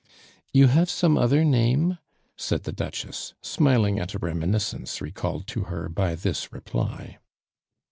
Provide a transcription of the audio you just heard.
"You have some other name?" said the Duchess, smiling at a reminiscence recalled to her by this reply.